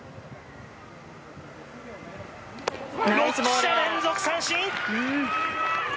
６者連続三振！